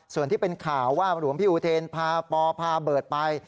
ส่วนที่เป็นข่าวว่าหลวงพี่อุเทนพาปอพาเบิร์ตไป